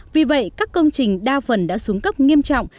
vì vậy các công trình đa phần đã xuống cấp nghiêm trọng